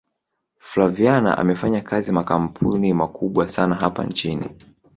flaviana amefanyakazi na makampuni makubwa sana hapa nchini